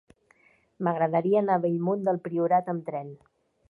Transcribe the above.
M'agradaria anar a Bellmunt del Priorat amb tren.